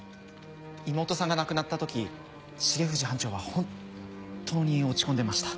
妹さんが亡くなった時重藤班長は本当に落ち込んでました。